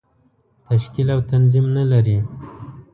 تشکیل او تنظیم نه لري.